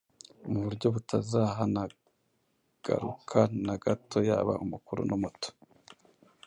mu buryo butazahanagaruka na gato, yaba umukuru n’umuto: